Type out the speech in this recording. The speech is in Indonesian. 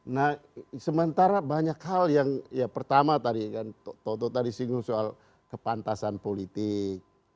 nah sementara banyak hal yang ya pertama tadi kan toto tadi singgung soal kepantasan politik